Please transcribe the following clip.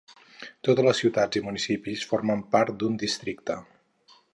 Totes les ciutats i municipis formen part d'un districte.